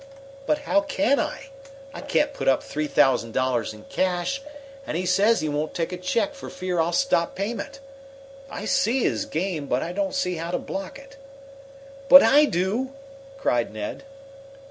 "But how can I? I can't put up three thousand dollars in cash, and he says he won't take a check for fear I'll stop payment. I see his game, but I don't see how to block it." "But I do!" cried Ned.